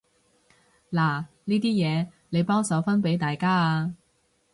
嗱呢啲嘢，你幫手分畀大家啊